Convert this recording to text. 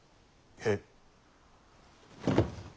えっ。